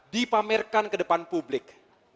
dipamerkan ke depan publik